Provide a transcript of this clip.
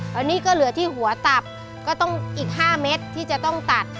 ตอนนี้ก็เหลือที่หัวตับก็ต้องอีก๕เม็ดที่จะต้องตัด